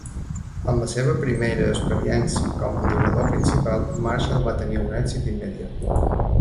En la seva primera experiència com a entrenador principal, Marshall va tenir un èxit immediat.